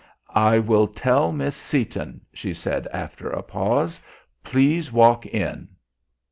"I will tell Miss Seaton," she said after a pause. "Please walk in."